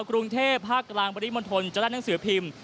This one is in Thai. กรุงเทพภาคกลางปริมณฑลจะได้หนังสือพิมพ์